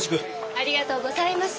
ありがとうございます。